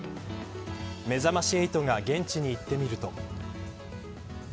めざまし８が現地に行ってみると。